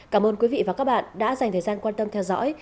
cảm ơn quý vị và các bạn đã dành thời gian quan tâm theo dõi